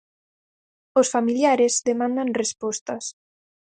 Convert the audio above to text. Os familiares demandan respostas.